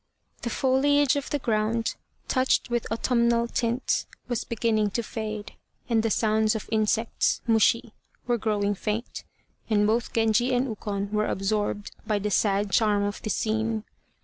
The foliage of the ground, touched with autumnal tints, was beginning to fade, and the sounds of insects (mushi) were growing faint, and both Genji and Ukon were absorbed by the sad charm of the scene.